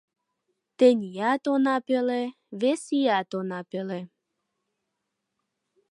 Теният она пӧлӧ, вес ият она пӧлӧ